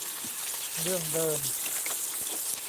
เรื่องเดิม